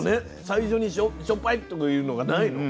最初にしょっぱいとかいうのがないの。